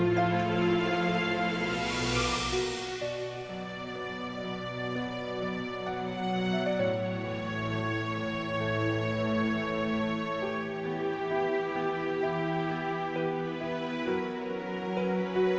tidak ada apa apa